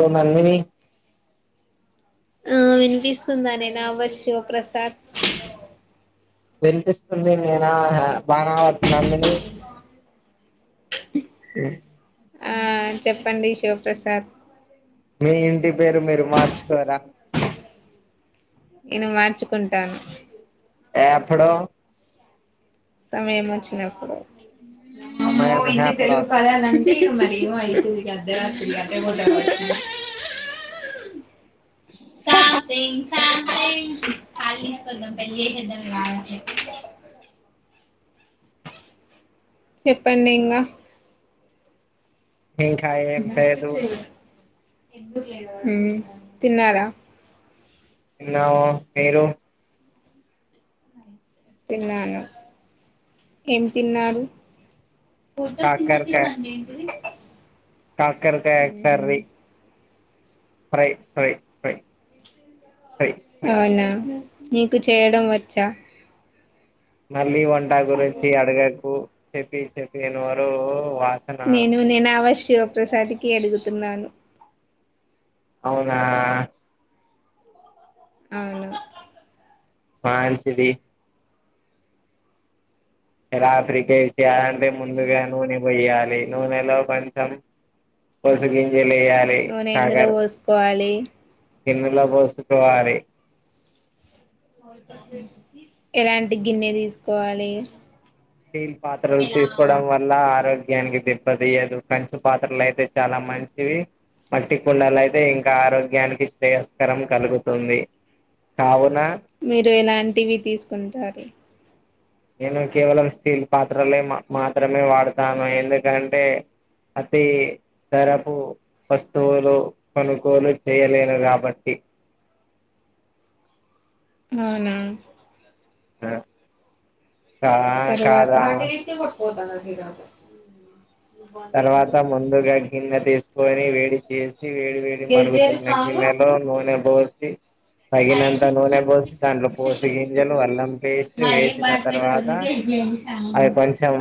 ఓ నందిని ఆ వినిపిస్తుందానేేనా శివ ప్రసాద్ వినిపిస్తుంది నేనా బాగా వతున్నా నందిని ఆ చెప్పండి శివప్రసాద్ మీ ఇంటి పేరు మీరు మార్చుకోరా నేను మార్చుకుంటాను. ఎప్పుడో సమయం వచ్చినప్పుడు అమ్మో సమయం ఇన్ని ఎప్పుడో తెలుగు వస్తుంది. పదాలంటే ఇక మేం [unintelligible] శాంత శాంతష్దా పలిద్దా మంచి చెప్పండి ఇంగా ఏం కాదంటే కాదు ఊ తిన్నారా తిన్నాము మీరు తిన్నాను. ఏం తిన్నారు. ఫోటో సింతసిస్ కాకరకాయ అంటే ఏంటిది. కాకరకాయ మ్మ్ హ్మ్ curry fry fry fry fry fry అవునా నీకు చేయడం వచ్చా మల్లి వా వంట గురించి అడగకు చెప్పి చెప్పినీవరు వా నేను నేను అవశ్ శివప్రసాద్కి అడుగుతున్నాను. అవునా అవును. మాంచిది. ఎ రాత్రికేస్ చేయాలంటే ముందుగా హ్మ్. నూనె పోయ్యాలి. నూనెలో కొంచెం పోసీ గే నూనెందులో పోసుకోవాలి టిన్నులో పోసుకోవాలి ఎలాంటి గిన్నె తీసుకోవాలి స్టీల్ పాత్రలు తీసుకోవడం వల్ల ఆరోగ్య నీకి దెబ్బతీయదు కంచు పాత్రలుయితే చాలా మంచివి మట్టి కుండలు అయితే ఇంకా ఆరోగ్యానికి శ్రేయస్కరం కలుగుతుంది కావు మీరు ఎలాంటి అంటివి తీసుకుంటారు నేను కేవలం స్టీల్ పాత్రలే మా మాత్రమే వాడతాను ఎందుకంటే అతి ధరపు వస్తువులు కొనుగోలు చేయలేను కాబట్టి అవునా ఆ ఆ కాదా పోతనదు తర్వాత ముందుగా గిన్న తీసుకొని వేడి చే వేడి వేడి మరగుతున్న గిన్నెలో నూనె పోసి తగినంత నూనె పోసి దాంట్లో పోసి గింజలు అల్లం పేస్ట్ వేసిన తర్వాత అవి కొంచెం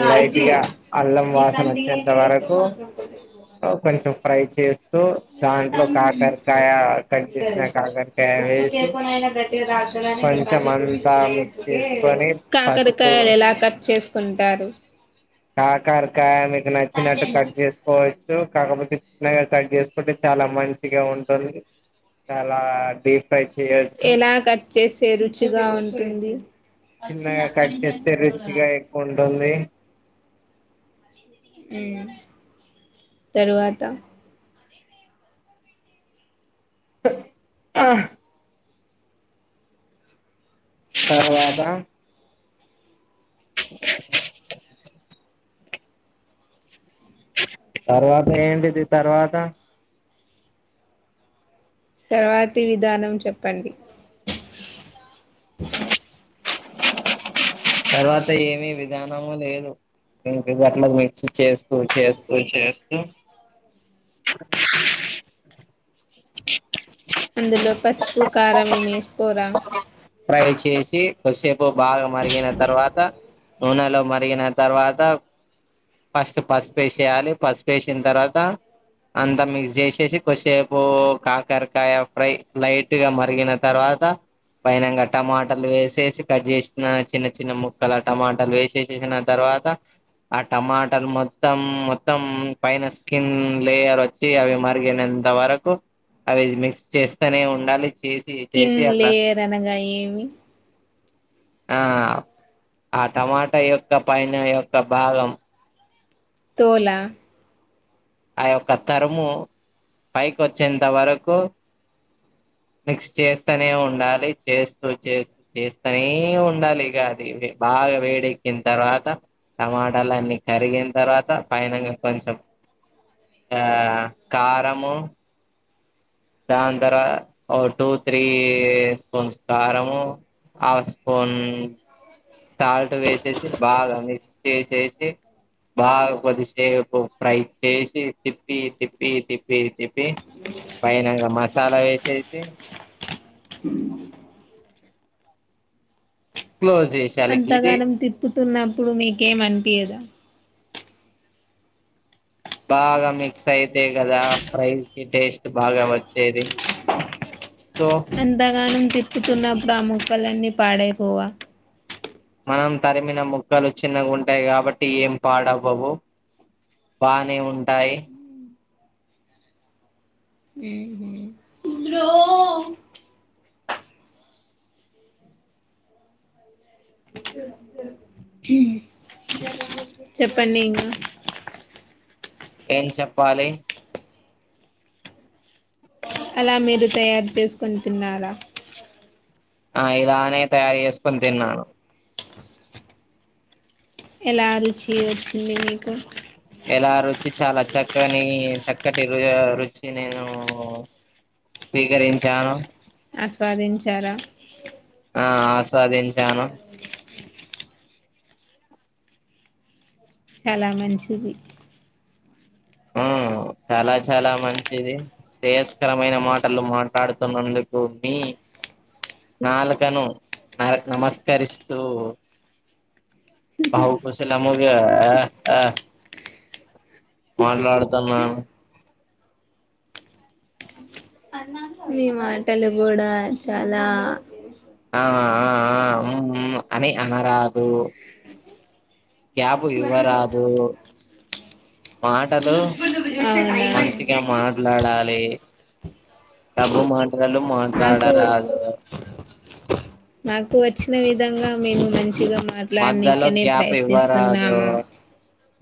ఇది లైట్గా అల్లం వాసన నీకంటే వ ఇంత నీరసం వరకు మాత్రం కొంచెం ఫ్రై చే దాంట్లో కాకరకాయ కట్ చేసిన ఉంటది కాకరకాయ ఉప్పు వేసి చేపనైనా గట్టిగా తాకుతదని మీ కొంచెం కంటి చూపు అంతా మిక్స్ వేపుకే చేసుకొని పసుపు కొంటారు కాకరకాయని నచ్చినట్టు కట్ చేసుకోవచ్చు కాకపోతే చిన్నగా కట్ చేసుకుంటే చాలా మంచిగా ఉంటుంది చాలా డీప్ ఫ్రై చేయొచ్చు ఎలా కట్ చేస్తే రుచిగా ఉంటుంది చిన్నగా కట్ చేస్తే రుచిగా ఎక్కువ ఉంటుంది తరువాత తరువాత తర్వాత ఏంటిది తర్వాత తర్వాతి విధానం చెప్పండి తర్వాత ఏమి విధానము లేదు ఇంగట్ల మిక్స్ చేస్తూ చేస్తూ చేస్తూ అందులో పసుపు కారం వేస్కోర ఫ్రై చేసి కొద్దిసేపు బాగా మరిగిన తర్వాత నూనెలో మరిగిన తర్వాత ఫస్ట్ పసుపు వేసేయాలి పసుపు వేసిన తర్వాత అంతా మిక్స్ చేసేసి కొద్దిసేపు కాకరకాయ ఫ్రై లైట్గా మరిగిన తర్వాత పైనంగా టమాటాలు వేసేసి కట్ చేసిన చిన్న చి చిన్న ముక్కల టమాటాలు వేసేసేసిన తర్వాత ఆ టమాటాలు మొత్తం మొత్తం పైన స్కిన్ లేయర్ వచ్చి అవి మరిగినంత వరకు అవి మిక్స్ చేస్తేనే ఉండాలి చేసి స్కిన్ చేసి అట్లా లేయర్ అనగా ఏమి ఆ ఆ టమాటా యొక్క పైన యొక్క భాగం తోలా ఆ యొక్క తరుము పైకి వచ్చేంత వరకు మిక్స్ చేస్తూనే ఉండాలి చేస్తూ చేస్తూ చేస్తూనే ఉండాలి ఇక అది బాగా వేడెక్కిన తర్వాత టమాటాలన్ని కరిగిన తర్వాత పైనంగా కొంచెం ఆ కారము దాని తరవా ఓ టూ త్రీ స్పూన్స్ కారము హాఫ్ స్పూన్ సాల్ట్ వేసేసి బాగా మిక్స్ చేసేసి బాగా కొద్దిసేపు ఫ్రై చేసి తిప్పి తిప్పి తిప్పి తిప్పి పైనంగా మసాలా వేసేసి క్లోజ్ చేసేయాలి ఇది అంతగానం తిప్పుతున్నప్పుడు మీకేం అనిపియ్యదా బాగా మిక్స్ అయితే కదా ఫ్రై కి టేస్ట్ బాగా వచ్చేది సో ఎంతగా తిప్పుతున్నప్పుడు ఆ మోక్కలన్నీ పాడైపోవా మనం తరిమిన ముక్కలు చిన్నగా ఉంటాయి కాబట్టి ఏం పాడవ్వవు బానే ఉంటాయి చెప్పండి ఇంగ ఏం చెప్పాలి అలా మీరు తయారు చేసుకుని తిన్నారా ఆ ఇలానే తయారు చేసుకొని తిన్నాను ఎలా రుచి వచ్చింది మీకు ఎలా రుచి చాలా చక్కని చక్కటి ర రుచి నేను స్వీకరించాను ఆస్వాదించారా ఆ ఆస్వాదించాను చాలా మంచిది ఉమ్ చాలా చాలా మంచిది శ్రేయస్కరమైన మాటలు మాట్లాడుతున్నందుకు మీ నాలకను నర నమస్కరిస్తూ బహుకుశలముగా ఆ ఆ మాట్లాడుతున్నాను మీ మాటలు కూడా చాలా ఆ ఆ ఆ ఉమ్ ఉమ్ అని అనరాదు గ్యాపు ఇవ్వరాదు మాటలు మంచిగా మాట్లాడాలి డబ్బు మాటలను మా మాకు వాడరాదు మాకు వచ్చిన విధంగా మేము మంచి మంచిగా మధ్యలో మాట్లాడనికనే గ్యాప్ ఇవ్వరాదు ప్రయత్నిస్తున్నాము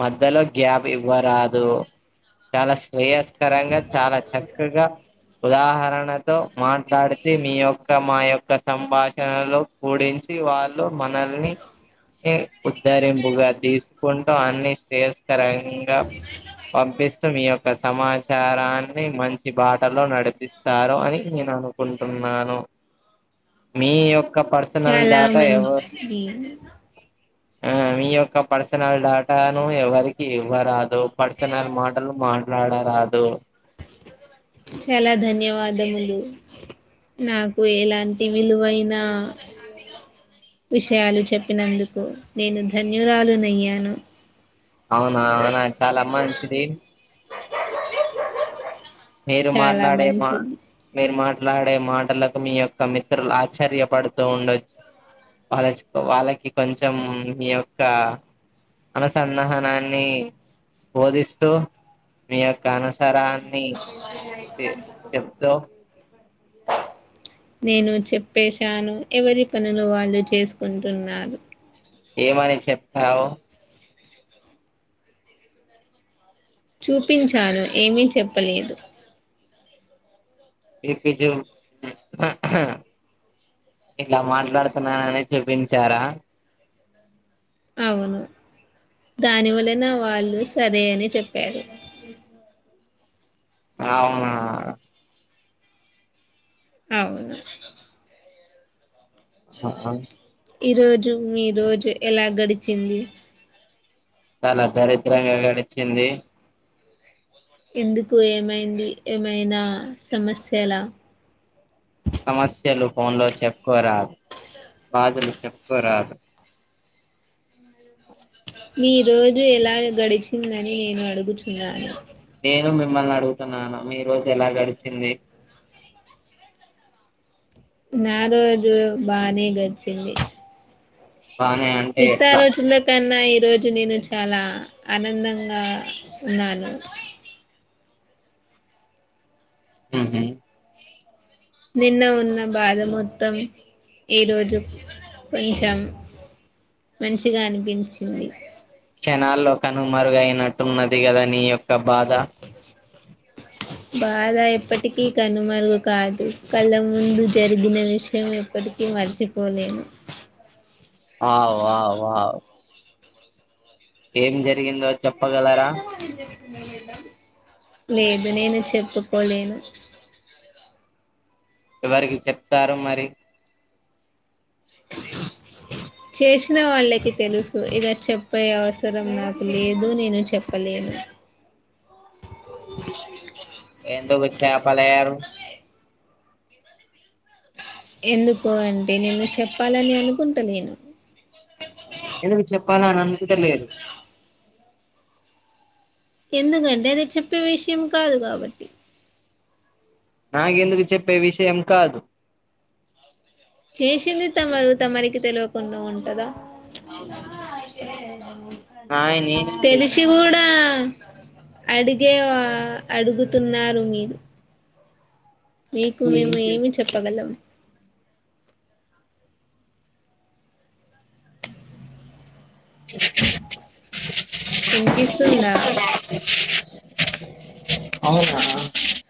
మధ్యలో గ్యాప్ ఇవ్వరాదు చాలా శ్రేయస్కరంగా చాలా చక్కగా ఉదాహరణతో మాట్లాడితే మీ యొక్క మా యొక్క సంభాషణలో కూడించి వాళ్ళు మనల్ని ఉద్ధరింపుగా తీసుకుంటూ అన్ని శ్రేయస్కరంగా పంపిస్తూ మీ యొక్క సమాచారాన్ని మంచి బాటలో నడిపిస్తారు అని నేను అనుకుంటున్నాను మీ యొక్క పర్సనల్ డాటా ఏవో ఎ ఆ మీ యొక్క పర్సనల్ డేటాను ఎవరికి ఇవ్వరాదు పర్సనల్ మాటలు మాట్లాడరాదు చాలా ధన్యవాదములు నాకు ఎలాంటి విలువైన విషయాలు చెప్పినందుకు నేను ధన్యురాలుునయ్యాను అవునా అవునా చాలా అమ్మా మంచిది మీరు చాలా మాట్లాడే మా మంచిది మీరు మాట్ మాట్లాడే మాటలకు మీ యొక్క మిత్రులు ఆశ్చర్యపడుతూ ఉండొచ్చు వాళ్ళ వాళ్ళకి కొంచెం మీ యొక్క అనుసంధానాన్ని బోధిస్తూ మీ యొక్క అనుసరాన్ని సే చెప్తా నేను చెప్పేశాను ఎవరి పనులు వాళ్ళు చేసుకుంటున్నారు ఏమని చెప్పావ చూపించాను ఏమీ చెప్పలేదు చెప్పి చూ ఇలా మాట్లాడుతున్ననని చూపించారా అవును దానివల నా వాళ్ళు సరే అని చెప్పారు అవునా అవును ఆ ఆ ఈ రోజు మీ రోజు ఎలా గడిచింది చాలా దరిద్రంగా గడిచింది ఎందుకు ఏమైంది ఏమైనా సమస్యల సమస్యలు ఫోన్ లో చెప్పుకోరాదు బాధలు చెప్పుకోరాదు మీ రోజు ఎలా గడిచిందని నేను అడుగుతున్నాను నేను మిమ్మల్ని అడుగుతున్నాను మీ రోజు ఎలా గడిచింది నా రోజు బానే గడిచింది బానే అంటే ఎట్లా నిత్తారో చుల్ల క అన్నాయి ఈ రోజు నేను చాలా ఆనందంగా ఉన్నాను ఉహుమ్ నిన్న ఉన్న బాధ మొత్తం ఈరోజు కొంచెం మంచిగా అనిపించింది షనాల్లో కనుమరుగయినట్టున్నది కదా నీ యొక్క బాధ బాధ ఎప్పటికీ కనుమరుగు కాదు కళ్ళ ముందు జరిగిన విషయం ఎప్పటికీ మర్చిపోలేను ఆవు వావ్ వావ్ ఏం జరిగిందో చెప్ప పగలరా లేదు నేను చెప్పుకోలేను ఎవరికి చెప్తారు మరి చేసిన వాళ్ళకి తెలుసు ఎలా చెప్పే అవసరం నాకు లేదు నేను చెప్పలేను ఎందుకు వచ్చా పలరు ఎందుకో అంటే నేను చెప్పాలని అనుకుంటా లెను ఎందుకు చెప్ చెప్పాలన అనుకుటలదు ఎందుకంటే అది చెప్పే విషయం కాదు కాబట్టి నాకెందుకు చెప్పే విషయం కాదు చేసింది తమరు తమరికి తెలియకుండా ఉంటదా నాయి నేనేం చేసిన తెలిసి కూడా అడిగే అడుగుతున్నారు మీరు మీకు మేము నువ్వేం చేస్ ఏమి చెప్పగలం వినిపిస్తుందా అవునా